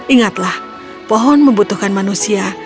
ingatlah pohon membutuhkan manusia